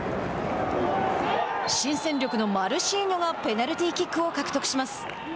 新戦力のマルシーニョがペナルティーキックを獲得します。